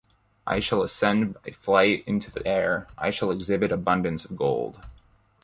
I shall ascend by flight into the air, I shall exhibit abundance of gold.